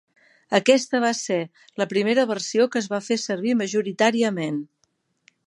Aquesta va ser la primera versió que es va fer servir majoritàriament.